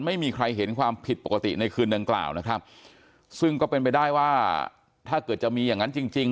ไม่มีใครเห็นความผิดปกติในคืนดังกล่าวนะครับซึ่งก็เป็นไปได้ว่าถ้าเกิดจะมีอย่างนั้นจริงจริง